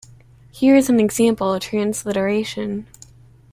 Here is an example transliteration.